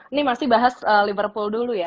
ini masih bahas liverpool dulu ya